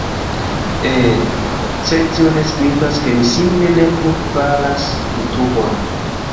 Eh, sed tio ne signifas ke mi simple ne plu faras Jutobon